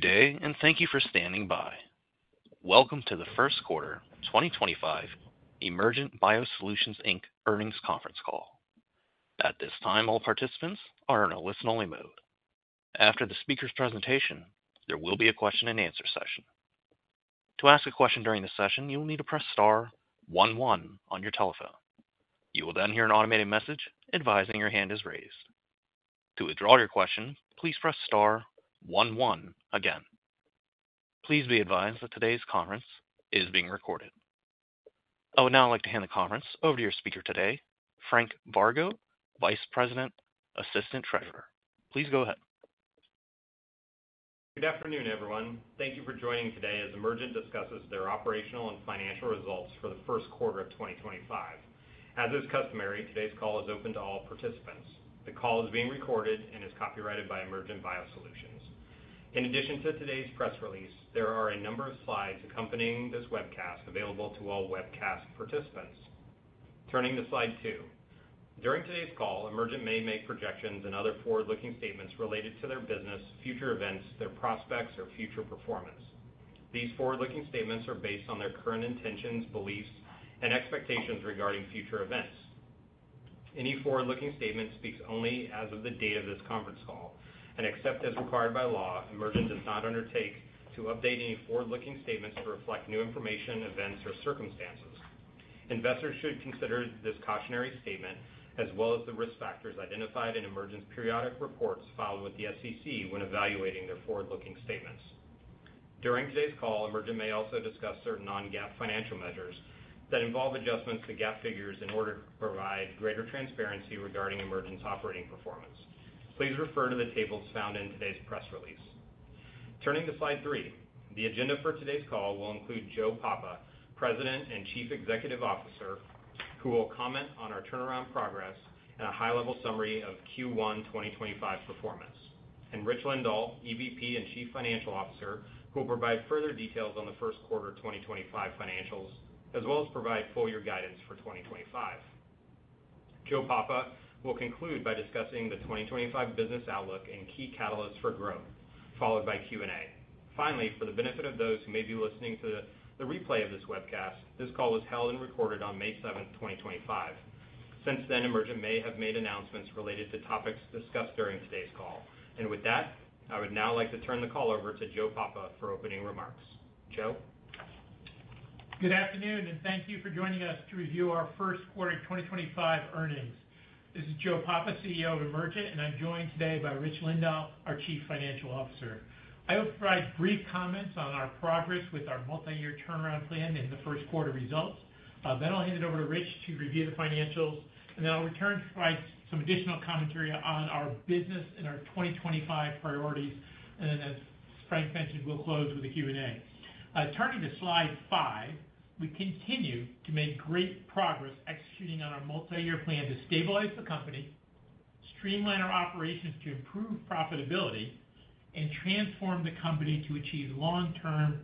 Good day, and thank you for standing by. Welcome to the first quarter, 2025, Emergent BioSolutions earnings conference call. At this time, all participants are in a listen-only mode. After the speaker's presentation, there will be a question-and-answer session. To ask a question during the session, you will need to press star one one on your telephone. You will then hear an automated message advising your hand is raised. To withdraw your question, please press star one one again. Please be advised that today's conference is being recorded. I would now like to hand the conference over to your speaker today, Frank Vargo, Vice President, Assistant Treasurer. Please go ahead. Good afternoon, everyone. Thank you for joining today as Emergent discusses their operational and financial results for the first quarter of 2025. As is customary, today's call is open to all participants. The call is being recorded and is copyrighted by Emergent BioSolutions. In addition to today's press release, there are a number of slides accompanying this webcast available to all webcast participants. Turning to slide two. During today's call, Emergent may make projections and other forward-looking statements related to their business, future events, their prospects, or future performance. These forward-looking statements are based on their current intentions, beliefs, and expectations regarding future events. Any forward-looking statement speaks only as of the date of this conference call, and except as required by law, Emergent does not undertake to update any forward-looking statements to reflect new information, events, or circumstances. Investors should consider this cautionary statement as well as the risk factors identified in Emergent's periodic reports filed with the SEC when evaluating their forward-looking statements. During today's call, Emergent may also discuss certain non-GAAP financial measures that involve adjustments to GAAP figures in order to provide greater transparency regarding Emergent's operating performance. Please refer to the tables found in today's press release. Turning to slide three, the agenda for today's call will include Joe Papa, President and Chief Executive Officer, who will comment on our turnaround progress and a high-level summary of Q1 2025 performance, and Rich Lindahl, EVP and Chief Financial Officer, who will provide further details on the first quarter 2025 financials, as well as provide full-year guidance for 2025. Joe Papa will conclude by discussing the 2025 business outlook and key catalysts for growth, followed by Q&A. Finally, for the benefit of those who may be listening to the replay of this webcast, this call was held and recorded on May 7th, 2025. Since then, Emergent may have made announcements related to topics discussed during today's call. With that, I would now like to turn the call over to Joe Papa for opening remarks. Joe? Good afternoon, and thank you for joining us to review our first quarter 2025 earnings. This is Joe Papa, CEO of Emergent, and I'm joined today by Rich Lindahl, our Chief Financial Officer. I will provide brief comments on our progress with our multi-year turnaround plan and the first quarter results. Then I'll hand it over to Rich to review the financials, and then I'll return to provide some additional commentary on our business and our 2025 priorities. As Frank mentioned, we'll close with a Q&A. Turning to slide five, we continue to make great progress executing on our multi-year plan to stabilize the company, streamline our operations to improve profitability, and transform the company to achieve long-term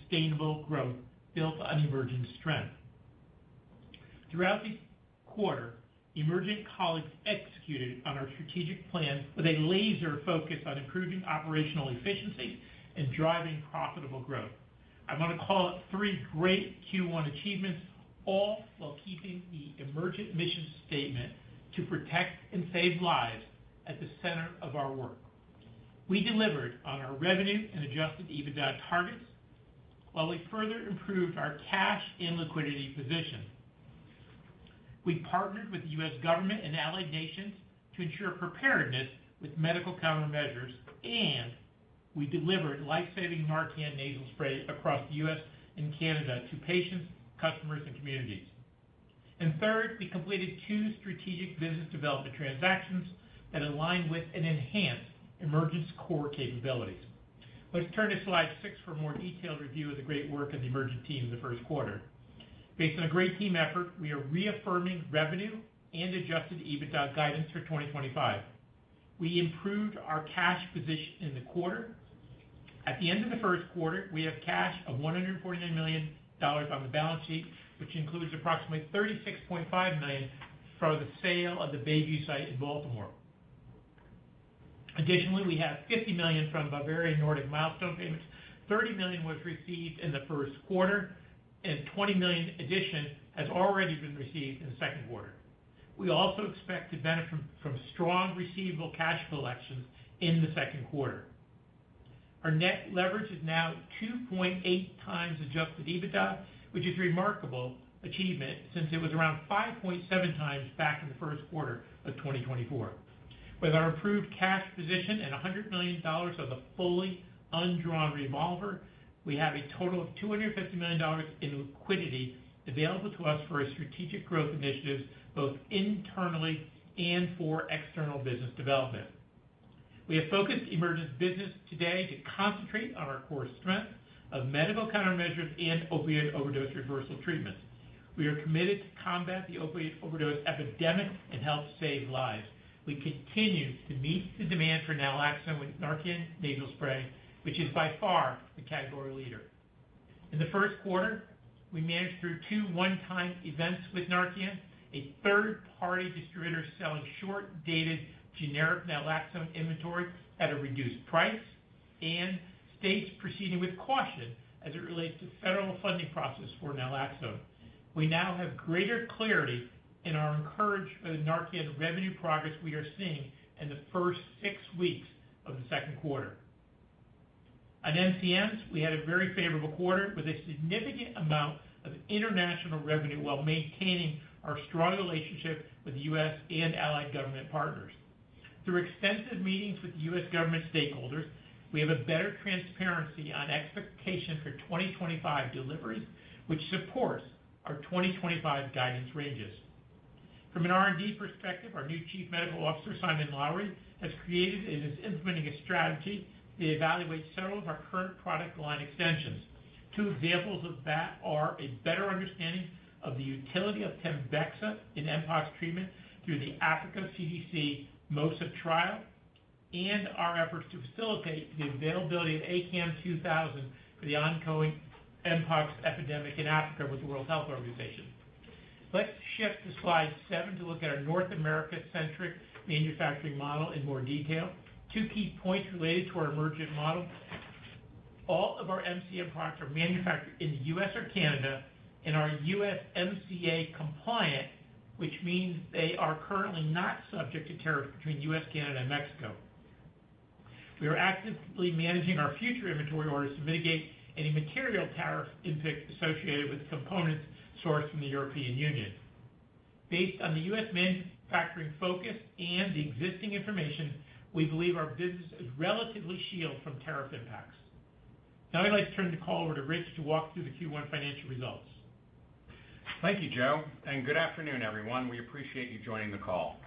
sustainable growth built on Emergent's strength. Throughout this quarter, Emergent colleagues executed on our strategic plan with a laser focus on improving operational efficiencies and driving profitable growth. I want to call it three great Q1 achievements, all while keeping the Emergent mission statement to protect and save lives at the center of our work. We delivered on our revenue and Adjusted EBITDA targets while we further improved our cash and liquidity position. We partnered with the U.S. government and allied nations to ensure preparedness with medical countermeasures, and we delivered life-saving Narcan nasal spray across the U.S. and Canada to patients, customers, and communities. Third, we completed two strategic business development transactions that align with and enhance Emergent's core capabilities. Let's turn to slide six for a more detailed review of the great work of the Emergent team in the first quarter. Based on a great team effort, we are reaffirming revenue and Adjusted EBITDA guidance for 2025. We improved our cash position in the quarter. At the end of the first quarter, we have cash of $149 million on the balance sheet, which includes approximately $36.5 million from the sale of the Bayview site in Baltimore. Additionally, we have $50 million from Bavarian Nordic milestone payments. $30 million was received in the first quarter, and $20 million addition has already been received in the second quarter. We also expect to benefit from strong receivable cash collections in the second quarter. Our net leverage is now 2.8x Adjusted EBITDA, which is a remarkable achievement since it was around 5.7x back in the first quarter of 2024. With our improved cash position and $100 million of the fully undrawn revolver, we have a total of $250 million in liquidity available to us for our strategic growth initiatives, both internally and for external business development. We have focused Emergent's business today to concentrate on our core strength of medical countermeasures and opiate overdose reversal treatments. We are committed to combat the opiate overdose epidemic and help save lives. We continue to meet the demand for naloxone with Narcan nasal spray, which is by far the category leader. In the first quarter, we managed through two one-time events with Narcan, a third-party distributor selling short-dated generic naloxone inventory at a reduced price, and states proceeding with caution as it relates to federal funding process for naloxone. We now have greater clarity in our encouragement of the Narcan revenue progress we are seeing in the first six weeks of the second quarter. On MCMs, we had a very favorable quarter with a significant amount of international revenue while maintaining our strong relationship with the U.S. and allied government partners. Through extensive meetings with the U.S. Government stakeholders, we have a better transparency on expectations for 2025 deliveries, which supports our 2025 guidance ranges. From an R&D perspective, our new Chief Medical Officer, Simon Lowry, has created and is implementing a strategy to evaluate several of our current product line extensions. Two examples of that are a better understanding of the utility of Pembexa in Mpox treatment through the Africa CDC MOSA trial and our efforts to facilitate the availability of ACAM2000 for the ongoing Mpox epidemic in Africa with the World Health Organization. Let's shift to slide seven to look at our North America-centric manufacturing model in more detail. Two key points related to our Emergent model. All of our MCM products are manufactured in the U.S. or Canada and are USMCA compliant, which means they are currently not subject to tariffs between the U.S., Canada, and Mexico. We are actively managing our future inventory orders to mitigate any material tariff impact associated with components sourced from the European Union. Based on the U.S. manufacturing focus and the existing information, we believe our business is relatively shielded from tariff impacts. Now, I'd like to turn the call over to Rich to walk through the Q1 financial results. Thank you, Joe. Good afternoon, everyone. We appreciate you joining the call.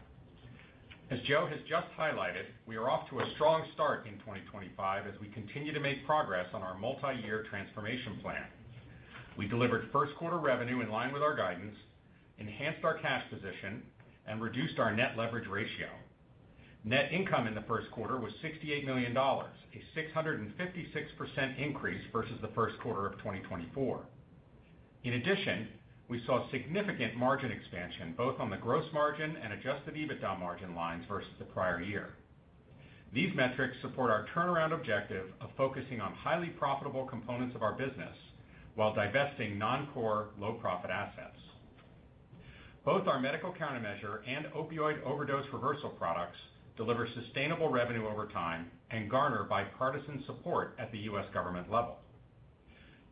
As Joe has just highlighted, we are off to a strong start in 2025 as we continue to make progress on our multi-year transformation plan. We delivered first-quarter revenue in line with our guidance, enhanced our cash position, and reduced our net leverage ratio. Net income in the first quarter was $68 million, a 656% increase versus the first quarter of 2024. In addition, we saw significant margin expansion both on the gross margin and Adjusted EBITDA margin lines versus the prior year. These metrics support our turnaround objective of focusing on highly profitable components of our business while divesting non-core, low-profit assets. Both our medical countermeasure and opioid overdose reversal products deliver sustainable revenue over time and garner bipartisan support at the U.S. government level.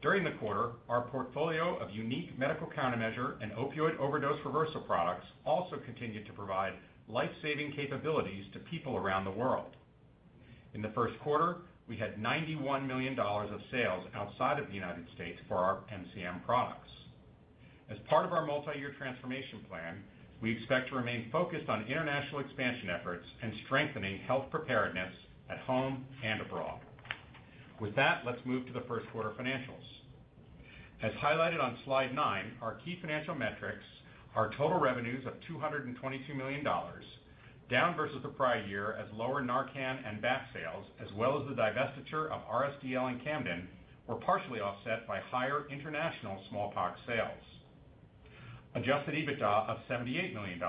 During the quarter, our portfolio of unique medical countermeasure and opioid overdose reversal products also continued to provide life-saving capabilities to people around the world. In the first quarter, we had $91 million of sales outside of the U.S. for our MCM products. As part of our multi-year transformation plan, we expect to remain focused on international expansion efforts and strengthening health preparedness at home and abroad. With that, let's move to the first quarter financials. As highlighted on slide nine, our key financial metrics are total revenues of $222 million, down versus the prior year as lower Narcan and BAT sales, as well as the divestiture of RSDL and Camden, were partially offset by higher international smallpox sales. Adjusted EBITDA of $78 million,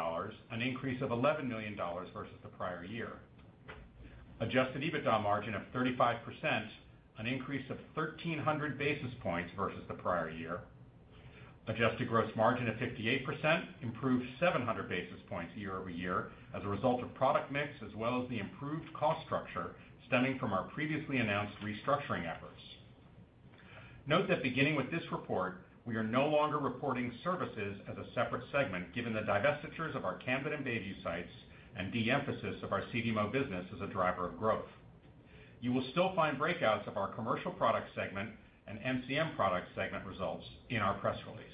an increase of $11 million versus the prior year. Adjusted EBITDA margin of 35%, an increase of 1,300 basis points versus the prior year. Adjusted gross margin of 58% improved 700 basis points year-over-year as a result of product mix as well as the improved cost structure stemming from our previously announced restructuring efforts. Note that beginning with this report, we are no longer reporting services as a separate segment given the divestitures of our Camden and Bayview sites and de-emphasis of our CDMO business as a driver of growth. You will still find breakouts of our commercial product segment and MCM product segment results in our press release.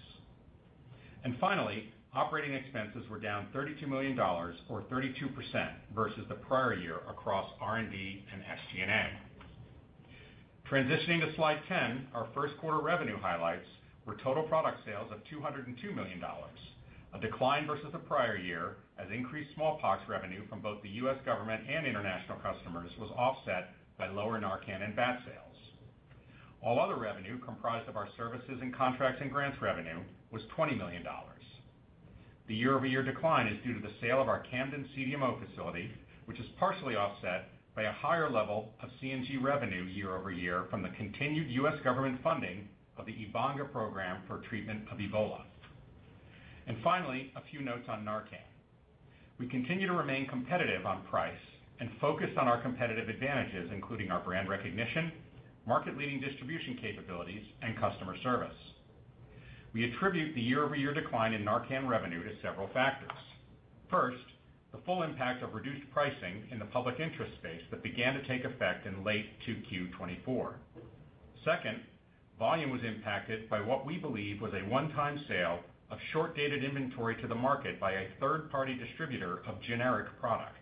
Finally, operating expenses were down $32 million, or 32% versus the prior year across R&D and SG&A. Transitioning to slide ten, our first quarter revenue highlights were total product sales of $202 million, a decline versus the prior year as increased smallpox revenue from both the U.S. government and international customers was offset by lower Narcan and BAT sales. All other revenue comprised of our services and contracts and grants revenue was $20 million. The year-over-year decline is due to the sale of our Camden CDMO facility, which is partially offset by a higher level of CNG revenue year-over-year from the continued U.S. government funding of the EVANGA program for treatment of Ebola. Finally, a few notes on Narcan. We continue to remain competitive on price and focus on our competitive advantages, including our brand recognition, market-leading distribution capabilities, and customer service. We attribute the year-over-year decline in Narcan revenue to several factors. First, the full impact of reduced pricing in the public interest space that began to take effect in late Q4 2024. Second, volume was impacted by what we believe was a one-time sale of short-dated inventory to the market by a third-party distributor of generic product.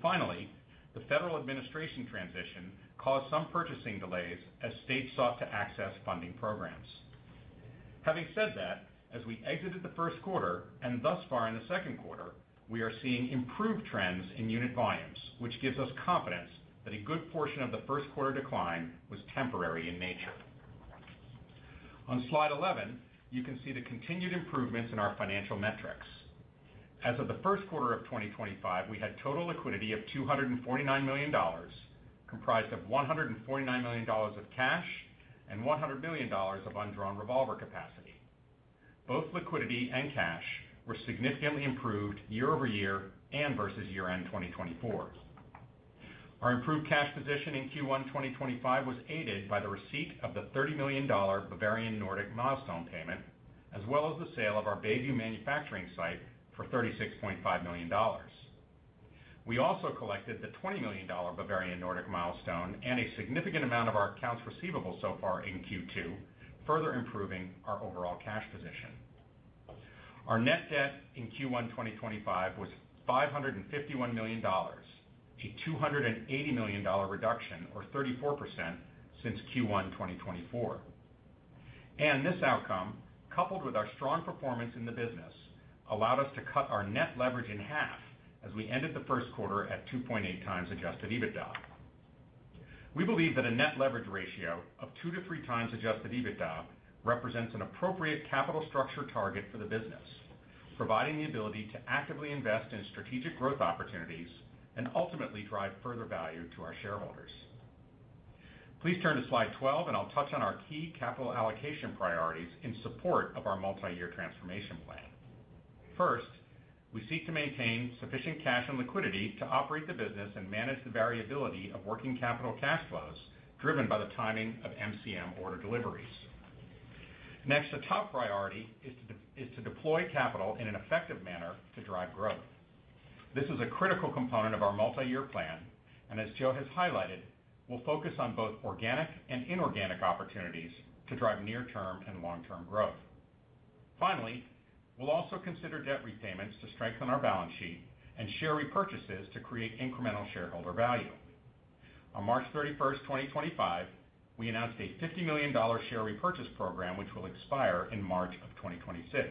Finally, the federal administration transition caused some purchasing delays as states sought to access funding programs. Having said that, as we exited the first quarter and thus far in the second quarter, we are seeing improved trends in unit volumes, which gives us confidence that a good portion of the first quarter decline was temporary in nature. On slide 11, you can see the continued improvements in our financial metrics. As of the first quarter of 2025, we had total liquidity of $249 million, comprised of $149 million of cash and $100 million of undrawn revolver capacity. Both liquidity and cash were significantly improved year-over-year and versus year-end 2024. Our improved cash position in Q1 2025 was aided by the receipt of the $30 million Bavarian Nordic milestone payment, as well as the sale of our Bayview manufacturing site for $36.5 million. We also collected the $20 million Bavarian Nordic milestone and a significant amount of our accounts receivable so far in Q2, further improving our overall cash position. Our net debt in Q1 2025 was $551 million, a $280 million reduction, or 34% since Q1 2024. This outcome, coupled with our strong performance in the business, allowed us to cut our net leverage in half as we ended the first quarter at 2.8x Adjusted EBITDA. We believe that a net leverage ratio of 2x-3x Adjusted EBITDA represents an appropriate capital structure target for the business, providing the ability to actively invest in strategic growth opportunities and ultimately drive further value to our shareholders. Please turn to slide 12, and I'll touch on our key capital allocation priorities in support of our multi-year transformation plan. First, we seek to maintain sufficient cash and liquidity to operate the business and manage the variability of working capital cash flows driven by the timing of MCM order deliveries. Next, the top priority is to deploy capital in an effective manner to drive growth. This is a critical component of our multi-year plan, and as Joe has highlighted, we'll focus on both organic and inorganic opportunities to drive near-term and long-term growth. Finally, we'll also consider debt repayments to strengthen our balance sheet and share repurchases to create incremental shareholder value. On March 31, 2025, we announced a $50 million share repurchase program, which will expire in March of 2026.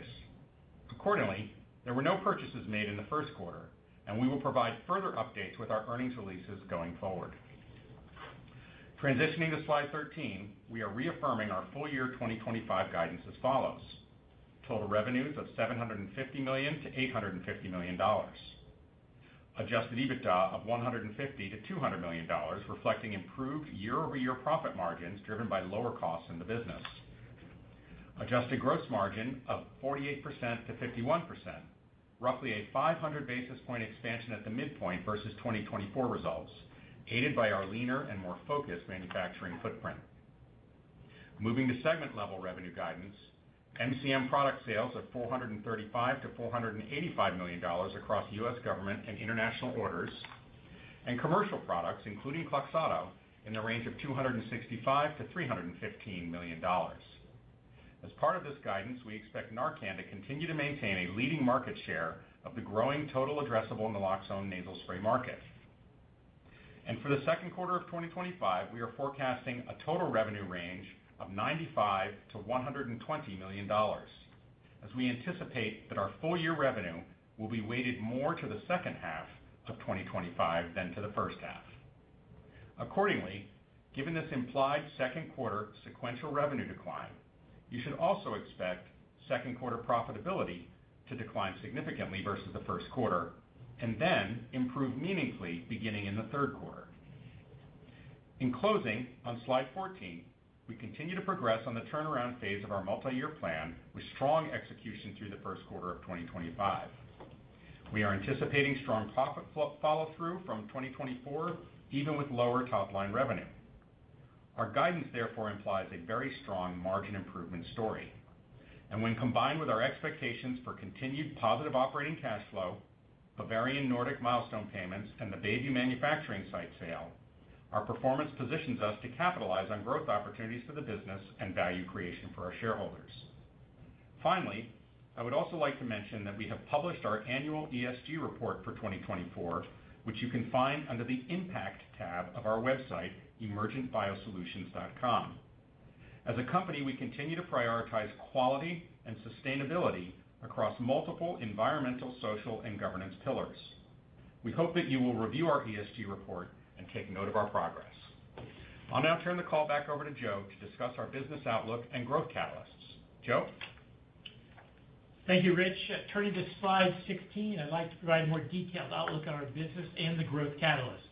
Accordingly, there were no purchases made in the first quarter, and we will provide further updates with our earnings releases going forward. Transitioning to slide 13, we are reaffirming our full year 2025 guidance as follows: total revenues of $750 million-$850 million, Adjusted EBITDA of $150 million-$200 million, reflecting improved year-over-year profit margins driven by lower costs in the business, adjusted gross margin of 48%-51%, roughly a 500 basis point expansion at the midpoint versus 2024 results, aided by our leaner and more focused manufacturing footprint. Moving to segment-level revenue guidance, MCM product sales of $435 million-$485 million across U.S. government and international orders, and commercial products, including Cloxoto, in the range of $265 million-$315 million. As part of this guidance, we expect Narcan to continue to maintain a leading market share of the growing total addressable naloxone nasal spray market. For the second quarter of 2025, we are forecasting a total revenue range of $95 million-$120 million, as we anticipate that our full year revenue will be weighted more to the second half of 2025 than to the first half. Accordingly, given this implied second quarter sequential revenue decline, you should also expect second quarter profitability to decline significantly versus the first quarter and then improve meaningfully beginning in the third quarter. In closing, on slide 14, we continue to progress on the turnaround phase of our multi-year plan with strong execution through the first quarter of 2025. We are anticipating strong profit follow-through from 2024, even with lower top-line revenue. Our guidance, therefore, implies a very strong margin improvement story. When combined with our expectations for continued positive operating cash flow, Bavarian Nordic milestone payments, and the Bayview manufacturing site sale, our performance positions us to capitalize on growth opportunities for the business and value creation for our shareholders. Finally, I would also like to mention that we have published our annual ESG report for 2024, which you can find under the Impact tab of our website, emergentbiosolutions.com. As a company, we continue to prioritize quality and sustainability across multiple environmental, social, and governance pillars. We hope that you will review our ESG report and take note of our progress. I'll now turn the call back over to Joe to discuss our business outlook and growth catalysts. Joe. Thank you, Rich. Turning to slide 16, I'd like to provide a more detailed outlook on our business and the growth catalyst.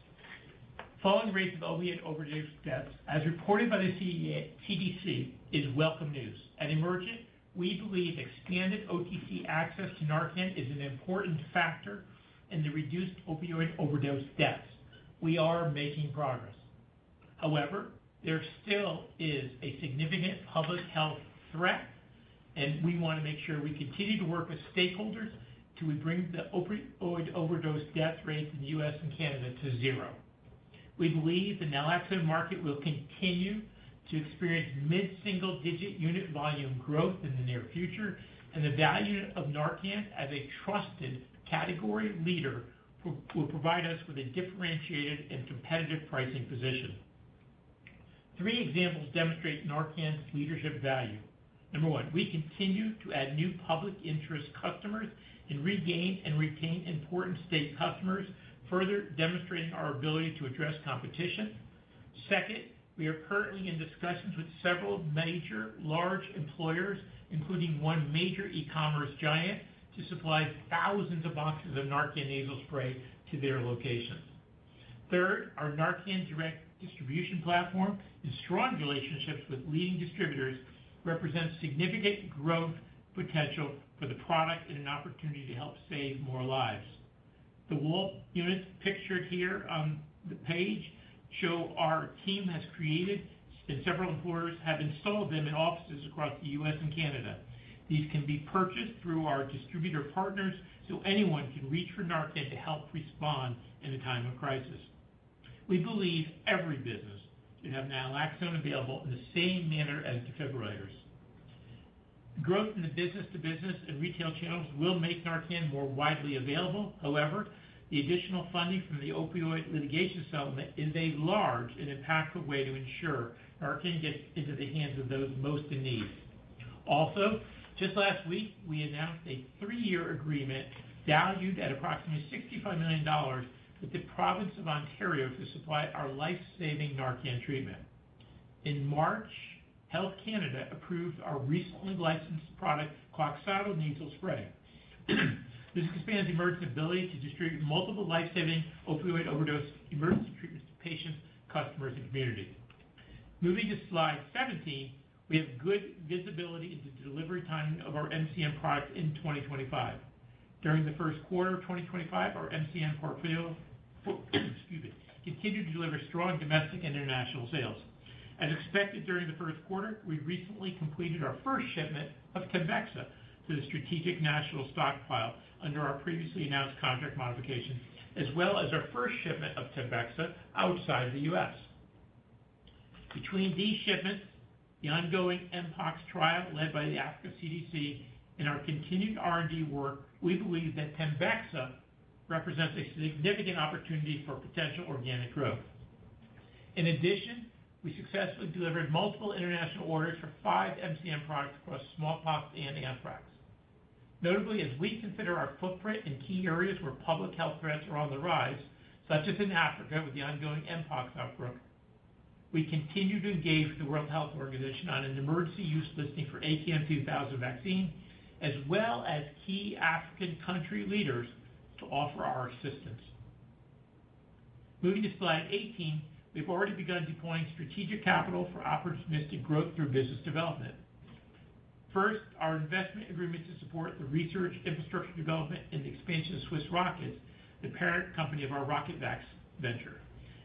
Falling rates of opioid overdose deaths, as reported by the CDC, is welcome news. At Emergent, we believe expanded OTC access to Narcan is an important factor in the reduced opioid overdose deaths. We are making progress. However, there still is a significant public health threat, and we want to make sure we continue to work with stakeholders to bring the opioid overdose death rates in the U.S. and Canada to zero. We believe the naloxone market will continue to experience mid-single-digit unit volume growth in the near future, and the value of Narcan as a trusted category leader will provide us with a differentiated and competitive pricing position. Three examples demonstrate Narcan's leadership value. Number one, we continue to add new public interest customers and regain and retain important state customers, further demonstrating our ability to address competition. Second, we are currently in discussions with several major large employers, including one major e-commerce giant, to supply thousands of boxes of Narcan nasal spray to their locations. Third, our Narcan direct distribution platform and strong relationships with leading distributors represent significant growth potential for the product and an opportunity to help save more lives. The wall units pictured here on the page show our team has created, and several employers have installed them in offices across the U.S. and Canada. These can be purchased through our distributor partners so anyone can reach for Narcan to help respond in a time of crisis. We believe every business should have naloxone available in the same manner as defibrillators. Growth in the business-to-business and retail channels will make Narcan more widely available. However, the additional funding from the opioid litigation settlement is a large and impactful way to ensure Narcan gets into the hands of those most in need. Also, just last week, we announced a three-year agreement valued at approximately $65 million with the province of Ontario to supply our life-saving Narcan treatment. In March, Health Canada approved our recently licensed product, Cloxoto nasal spray. This expands Emergent's ability to distribute multiple life-saving opioid overdose emergency treatments to patients, customers, and communities. Moving to slide 17, we have good visibility into the delivery timing of our MCM products in 2025. During the first quarter of 2025, our MCM portfolio continued to deliver strong domestic and international sales. As expected during the first quarter, we recently completed our first shipment of Temvexa to the Strategic National Stockpile under our previously announced contract modification, as well as our first shipment of Temvexa outside the U.S. Between these shipments, the ongoing Mpox trial led by the Africa CDC, and our continued R&D work, we believe that Temvexa represents a significant opportunity for potential organic growth. In addition, we successfully delivered multiple international orders for five MCM products across smallpox and anthrax. Notably, as we consider our footprint in key areas where public health threats are on the rise, such as in Africa with the ongoing Mpox outbreak, we continue to engage with the World Health Organization on an emergency use listing for ACAM2000 vaccine, as well as key African country leaders to offer our assistance. Moving to slide 18, we've already begun deploying strategic capital for opportunistic growth through business development. First, our investment agreement to support the research, infrastructure development, and the expansion of Swiss Rockets, the parent company of our Rocket Vaccine venture.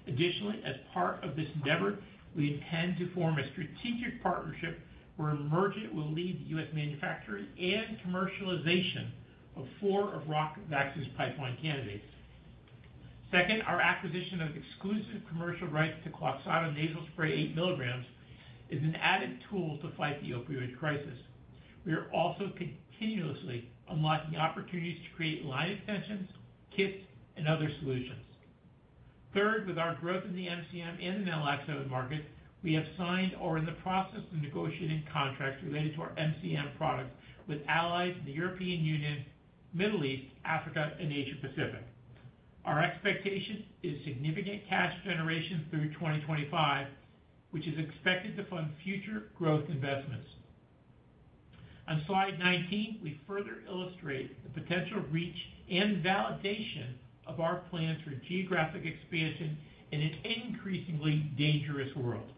Additionally, as part of this endeavor, we intend to form a strategic partnership where Emergent will lead the U.S. manufacturing and commercialization of four of Rocket Vaccine's pipeline candidates. Second, our acquisition of exclusive commercial rights to Cloxoto nasal spray 8 mg is an added tool to fight the opioid crisis. We are also continuously unlocking opportunities to create line extensions, kits, and other solutions. Third, with our growth in the MCM and the naloxone market, we have signed or are in the process of negotiating contracts related to our MCM products with allies in the European Union, Middle East, Africa, and Asia-Pacific. Our expectation is significant cash generation through 2025, which is expected to fund future growth investments. On slide 19, we further illustrate the potential reach and validation of our plans for geographic expansion in an increasingly dangerous world.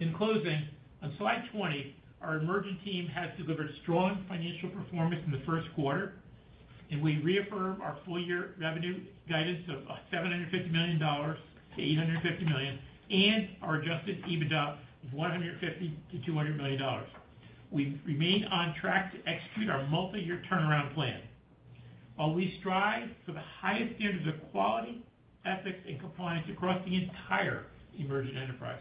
In closing, on slide 20, our Emergent team has delivered strong financial performance in the first quarter, and we reaffirm our full year revenue guidance of $750 million-$850 million and our Adjusted EBITDA of $150 million-$200 million. We remain on track to execute our multi-year turnaround plan while we strive for the highest standards of quality, ethics, and compliance across the entire Emergent enterprise.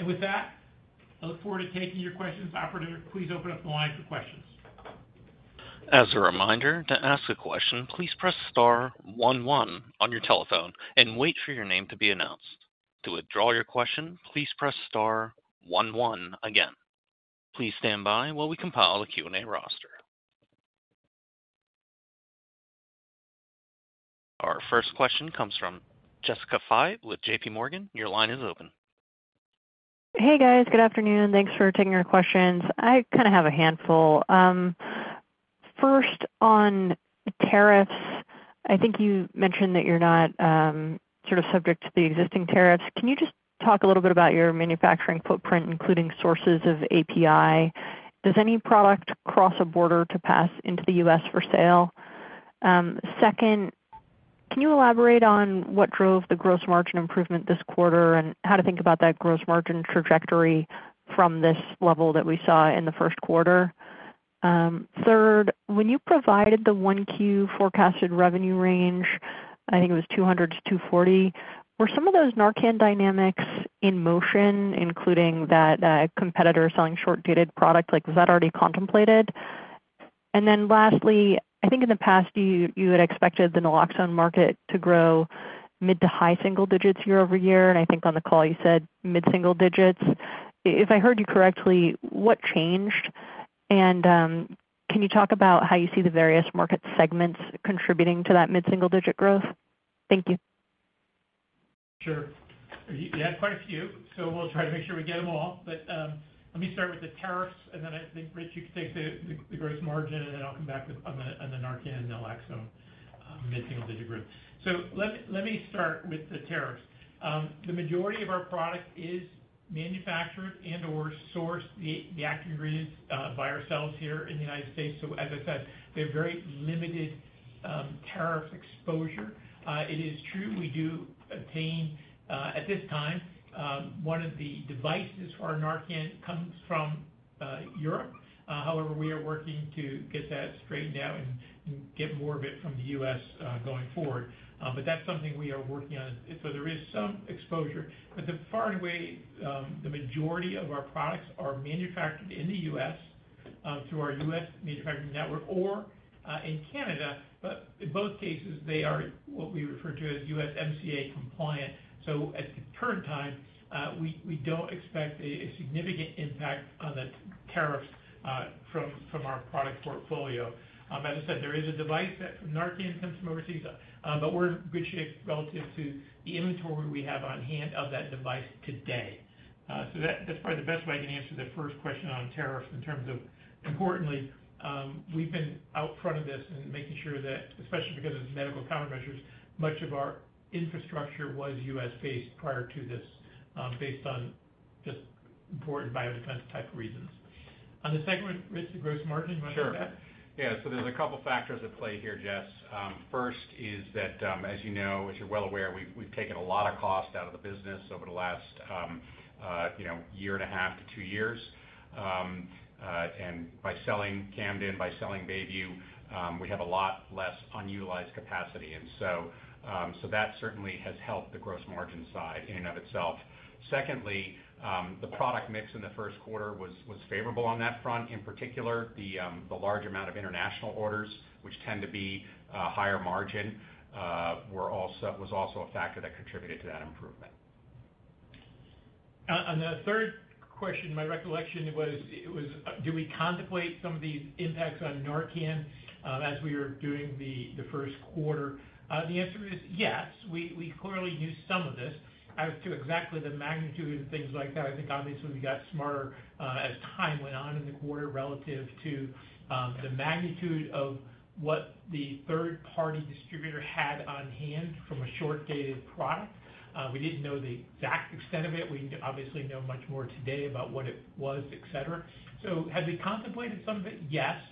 I look forward to taking your questions. Operator, please open up the line for questions. As a reminder, to ask a question, please pressstar one one on your telephone and wait for your name to be announced. To withdraw your question, please pressstar one one again. Please stand by while we compile the Q&A roster. Our first question comes from Jessica Fye with JPMorgan. Your line is open. Hey, guys. Good afternoon. Thanks for taking our questions. I kind of have a handful. First, on tariffs, I think you mentioned that you're not sort of subject to the existing tariffs. Can you just talk a little bit about your manufacturing footprint, including sources of API? Does any product cross a border to pass into the U.S. for sale? Second, can you elaborate on what drove the gross margin improvement this quarter and how to think about that gross margin trajectory from this level that we saw in the first quarter? Third, when you provided the Q1 forecasted revenue range, I think it was $200 million-$240 million, were some of those Narcan dynamics in motion, including that competitor selling short-dated product? Was that already contemplated? Lastly, I think in the past, you had expected the naloxone market to grow mid to high single digits year-over-year, and I think on the call you said mid-single digits. If I heard you correctly, what changed? Can you talk about how you see the various market segments contributing to that mid-single digit growth? Thank you. Sure. We had quite a few, so we'll try to make sure we get them all. Let me start with the tariffs, and then I think, Rich, you can take the gross margin, and then I'll come back on the Narcan and naloxone mid-single digit growth. Let me start with the tariffs. The majority of our product is manufactured and/or sourced, the active ingredients, by ourselves here in the U.S. As I said, we have very limited tariff exposure. It is true we do obtain, at this time, one of the devices for our Narcan comes from Europe. However, we are working to get that straightened out and get more of it from the U.S. going forward. That is something we are working on. There is some exposure. Far and away, the majority of our products are manufactured in the U.S. through our U.S. manufacturing network or in Canada. In both cases, they are what we refer to as USMCA compliant. At the current time, we do not expect a significant impact on the tariffs from our product portfolio. As I said, there is a device that from Narcan comes from overseas, but we are in good shape relative to the inventory we have on hand of that device today. That is probably the best way I can answer the first question on tariffs in terms of, importantly, we have been out front of this and making sure that, especially because of the medical countermeasures, much of our infrastructure was U.S.-based prior to this, based on just important biodefense-type reasons. On the second one, Rich, the gross margin, you want to add to that? Sure. Yeah. So there's a couple of factors at play here, Jess. First is that, as you know, as you're well aware, we've taken a lot of cost out of the business over the last year and a half to two years. By selling Camden, by selling Bayview, we have a lot less unutilized capacity. That certainly has helped the gross margin side in and of itself. Secondly, the product mix in the first quarter was favorable on that front. In particular, the large amount of international orders, which tend to be higher margin, was also a factor that contributed to that improvement. On the third question, my recollection was, do we contemplate some of these impacts on Narcan as we are doing the first quarter? The answer is yes. We clearly knew some of this. As to exactly the magnitude and things like that, I think obviously we got smarter as time went on in the quarter relative to the magnitude of what the third-party distributor had on hand from a short-dated product. We did not know the exact extent of it. We obviously know much more today about what it was, etc. Have we contemplated some of it? Yes.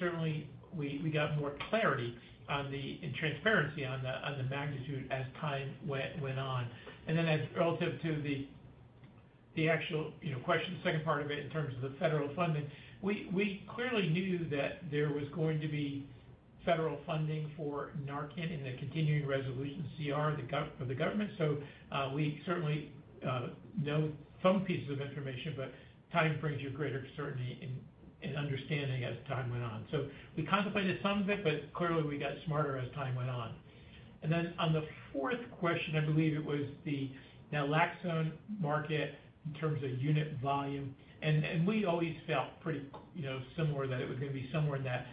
Certainly, we got more clarity and transparency on the magnitude as time went on. Relative to the actual question, the second part of it in terms of the federal funding, we clearly knew that there was going to be federal funding for Narcan in the continuing resolution CR of the government. We certainly know some pieces of information, but time brings you greater certainty and understanding as time went on. We contemplated some of it, but clearly we got smarter as time went on. On the fourth question, I believe it was the naloxone market in terms of unit volume. We always felt pretty similar that it was going to be somewhere in that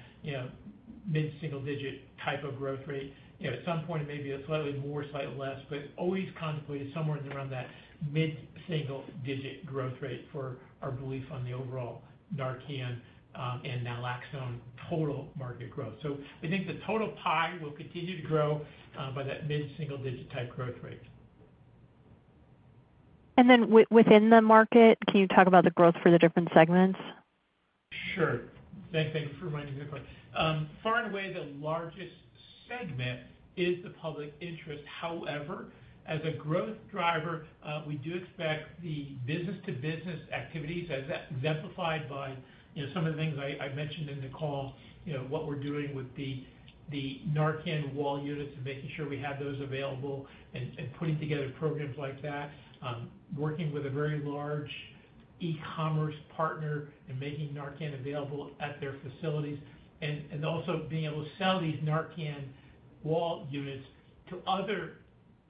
mid-single digit type of growth rate. At some point, maybe slightly more, slightly less, but always contemplated somewhere in around that mid-single digit growth rate for our belief on the overall Narcan and naloxone total market growth. We think the total pie will continue to grow by that mid-single digit type growth rate. Within the market, can you talk about the growth for the different segments? Sure. Thanks for reminding me of that part. Far and away, the largest segment is the public interest. However, as a growth driver, we do expect the business-to-business activities as exemplified by some of the things I mentioned in the call, what we're doing with the Narcan wall units and making sure we have those available and putting together programs like that, working with a very large e-commerce partner and making Narcan available at their facilities, and also being able to sell these Narcan wall units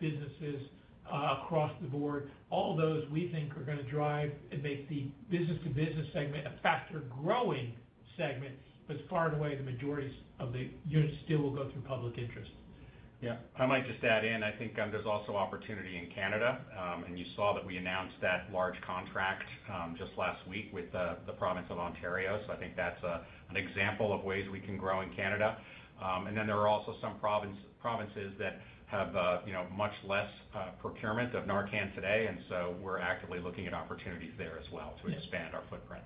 to other businesses across the board. All those we think are going to drive and make the business-to-business segment a faster growing segment, but far and away, the majority of the units still will go through public interest. Yeah. I might just add in, I think there's also opportunity in Canada, and you saw that we announced that large contract just last week with the province of Ontario. I think that's an example of ways we can grow in Canada. There are also some provinces that have much less procurement of Narcan today, and we're actively looking at opportunities there as well to expand our footprint.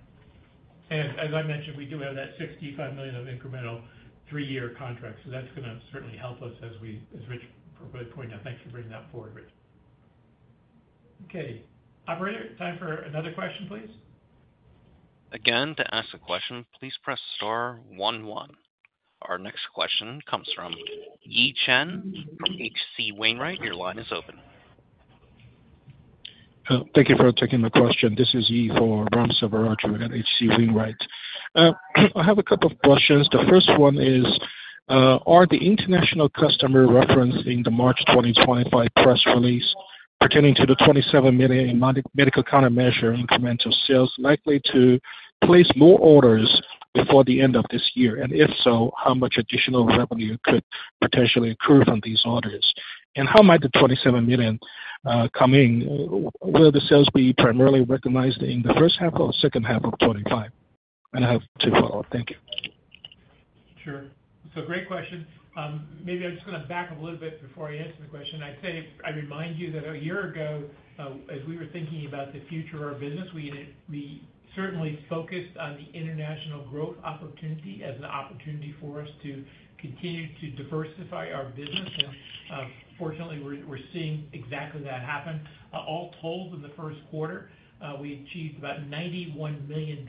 As I mentioned, we do have that $65 million of incremental three-year contracts. That is going to certainly help us as we, as Rich appropriately pointed out. Thanks for bringing that forward, Rich. Operator, time for another question, please. Again, to ask a question, please press star one one. Our next question comes from Ye Chen from H.C. Wainwright. Your line is open. Thank you for taking my question. This is Ye for Ramsa Varachi at HC Wainwright. I have a couple of questions. The first one is, are the international customer referencing the March 2025 press release pertaining to the $27 million in medical countermeasure incremental sales likely to place more orders before the end of this year? If so, how much additional revenue could potentially accrue from these orders? How might the $27 million come in? Will the sales be primarily recognized in the first half or second half of 2025? I have two follow-ups. Thank you. Sure. Great question. Maybe I'm just going to back up a little bit before I answer the question. I'd say I remind you that a year ago, as we were thinking about the future of our business, we certainly focused on the international growth opportunity as an opportunity for us to continue to diversify our business. Fortunately, we're seeing exactly that happen. All told, in the first quarter, we achieved about $91 million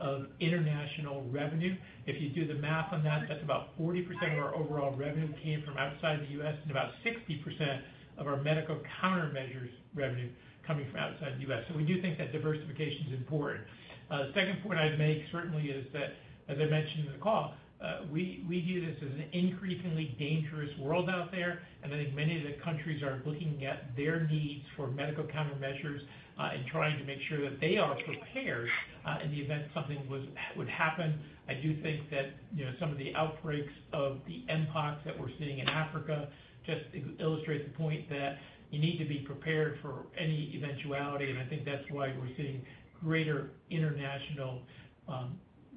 of international revenue. If you do the math on that, that's about 40% of our overall revenue came from outside the U.S. and about 60% of our medical countermeasures revenue coming from outside the U.S. We do think that diversification is important. The second point I'd make certainly is that, as I mentioned in the call, we view this as an increasingly dangerous world out there. I think many of the countries are looking at their needs for medical countermeasures and trying to make sure that they are prepared in the event something would happen. I do think that some of the outbreaks of the mpox that we're seeing in Africa just illustrate the point that you need to be prepared for any eventuality. I think that's why we're seeing greater international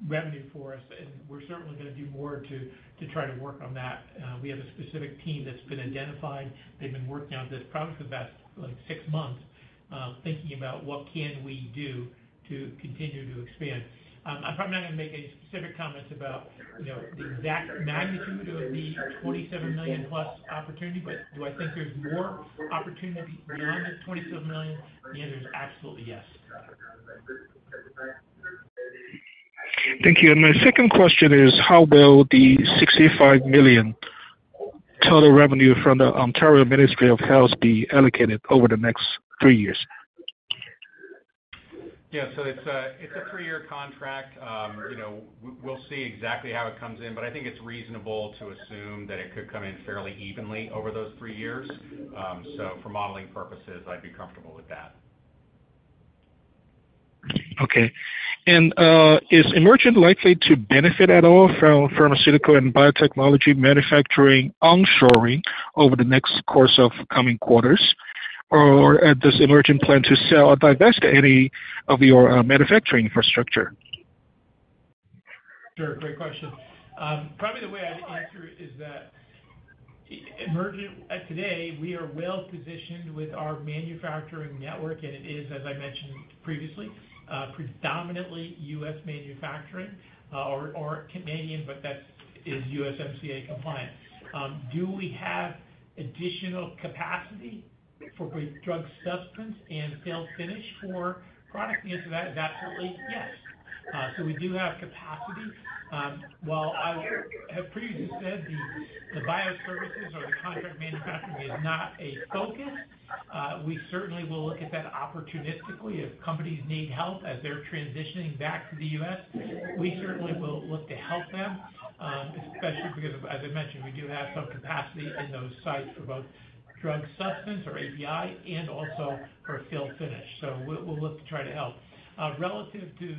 revenue for us. We're certainly going to do more to try to work on that. We have a specific team that's been identified. They've been working on this probably for the past six months, thinking about what can we do to continue to expand. I'm probably not going to make any specific comments about the exact magnitude of the $27+ million opportunity, but do I think there's more opportunity beyond the $27 million? The answer is absolutely yes. Thank you. My second question is, how will the $65 million total revenue from the Ontario Ministry of Health be allocated over the next three years? Yeah. It's a three-year contract. We'll see exactly how it comes in, but I think it's reasonable to assume that it could come in fairly evenly over those three years. For modeling purposes, I'd be comfortable with that. Okay. Is Emergent likely to benefit at all from pharmaceutical and biotechnology manufacturing onshoring over the next course of coming quarters? Does Emergent plan to sell or divest any of your manufacturing infrastructure? Sure. Great question. Probably the way I'd answer it is that Emergent, today, we are well-positioned with our manufacturing network, and it is, as I mentioned previously, predominantly U.S. manufacturing or Canadian, but that is USMCA compliant. Do we have additional capacity for drug substance and sale finish for product? The answer to that is absolutely yes. So we do have capacity. While I have previously said the bioservices or the contract manufacturing is not a focus, we certainly will look at that opportunistically if companies need help as they're transitioning back to the U.S. We certainly will look to help them, especially because, as I mentioned, we do have some capacity in those sites for both drug substance or API and also for sale finish. We'll look to try to help. Relative to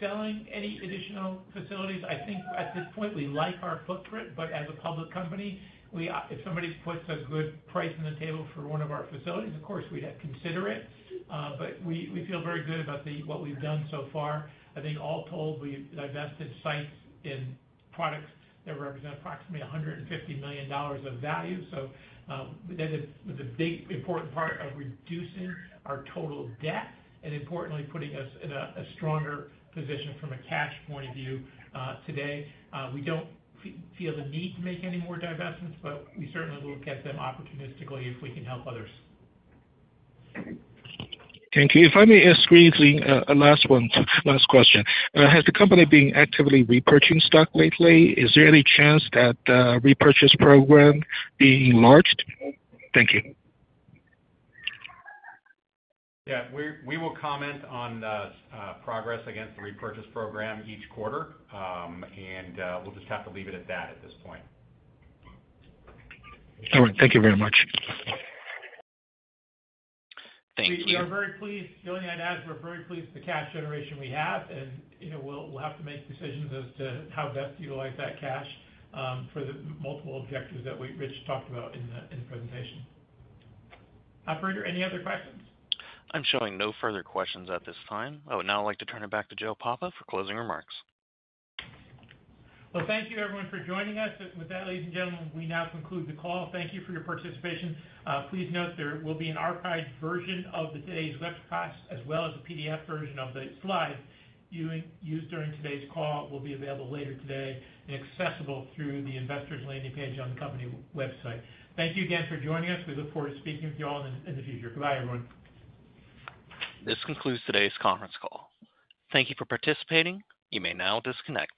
selling any additional facilities, I think at this point, we like our footprint, but as a public company, if somebody puts a good price on the table for one of our facilities, of course, we'd consider it. We feel very good about what we've done so far. I think all told, we divested sites and products that represent approximately $150 million of value. That is the big important part of reducing our total debt and, importantly, putting us in a stronger position from a cash point of view today. We don't feel the need to make any more divestments, but we certainly will look at them opportunistically if we can help others. Thank you. If I may ask briefly a last question. Has the company been actively repurchasing stock lately? Is there any chance that the repurchase program be enlarged? Thank you. Yeah. We will comment on progress against the repurchase program each quarter, and we'll just have to leave it at that at this point. All right. Thank you very much. Thank you. We are very pleased. The only thing I'd add, we're very pleased with the cash generation we have, and we'll have to make decisions as to how best to utilize that cash for the multiple objectives that Rich talked about in the presentation. Operator, any other questions? I'm showing no further questions at this time. Oh, now I'd like to turn it back to Joe Papa for closing remarks. Thank you, everyone, for joining us. With that, ladies and gentlemen, we now conclude the call. Thank you for your participation. Please note there will be an archived version of today's webcast as well as a PDF version of the slides used during today's call. It will be available later today and accessible through the investors landing page on the company website. Thank you again for joining us. We look forward to speaking with you all in the future. Goodbye, everyone. This concludes today's conference call. Thank you for participating. You may now disconnect.